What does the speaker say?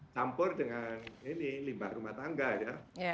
campur dengan ini limbah rumah tangga ya